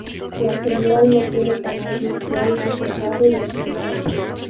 La señal no tiene canal virtual reservado y asignado.